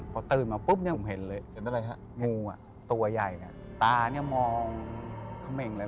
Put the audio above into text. พอตื่นมาปุ๊บผมเห็นเลยงูตัวใหญ่ตามองเขม่งเลย